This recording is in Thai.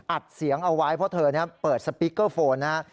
อัดเสียงเอาไว้เพราะเธอเปิดสปีกเกอร์โฟนนะฮะ